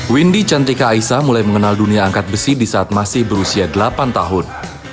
windy cantika aisa mulai mengenal dunia angkat besi di saat masih berusia delapan tahun